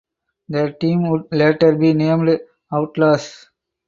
The team would later be named "Outlaws".